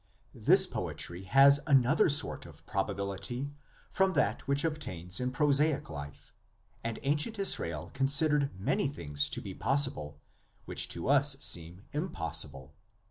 This poetry has another sort of probability from that which obtains in prosaic life, and ancient Israel con sidered many things to be possible which to us seem impossible.